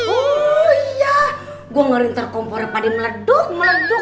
oh iya gua ngelintar kompornya pada meleduk meleduk